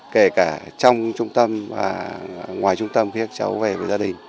kể cả trong trung tâm và ngoài trung tâm khi các cháu về với gia đình